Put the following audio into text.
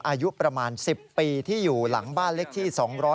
อายุประมาณ๑๐ปีที่อยู่หลังบ้านเล็กที่๒๕